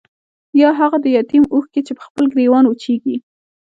يا هاغه د يتيم اوښکې چې پۀ خپل ګريوان وچيږي